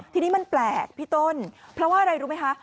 ทีนี้มันแปลกพี่ต้นเพราะว่าอะไรรู้ไหมคะ